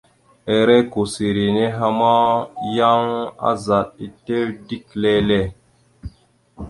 Ere kousseri nehe ma, yan azaɗ etew dik lele.